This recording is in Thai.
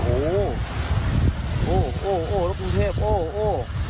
โอ้โหโอ้โหแล้วกรุงเทพโอ้โห